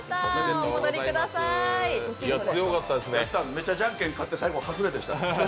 めっちゃじゃんけん勝って、最後外れました。